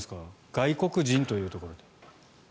外国人というところで。